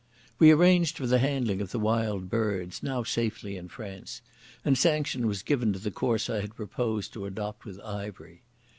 We arranged for the handling of the Wild Birds, now safely in France, and sanction was given to the course I had proposed to adopt with Ivery.